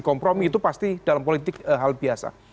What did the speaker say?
kompromi itu pasti dalam politik hal biasa